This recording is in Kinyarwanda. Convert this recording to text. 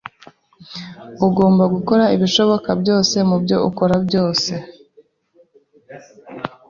Ugomba gukora ibishoboka byose mubyo ukora byose.